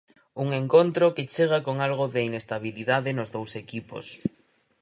Un encontro que chega con algo de inestabilidade nos dous equipos.